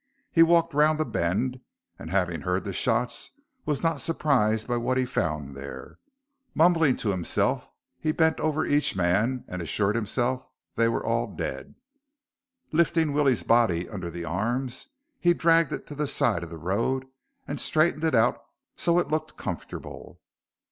He walked round the bend and, having heard the shots, was not surprised by what he found there. Mumbling to himself, he bent over each man and assured himself they were all dead. Lifting Willie's body under the arms, he dragged it to the side of the road and straightened it out so it looked comfortable.